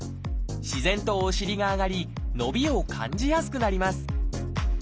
自然とお尻が上がり伸びを感じやすくなります